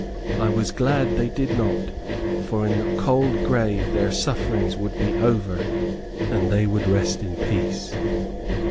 I was glad they did not, for in the cold grave their sufferings would be over and they would rest in peace.